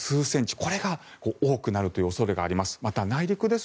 これが多くなるという恐れがあります。